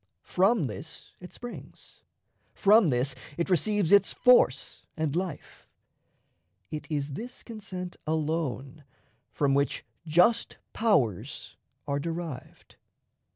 From this it springs; from this it receives its force and life. It is this consent alone from which "just powers" are derived.